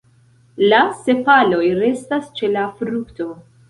La sepaloj restas ĉe la frukto.